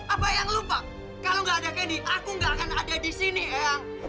apa eyang lupa kalau nggak ada kani aku nggak akan ada di sini eyang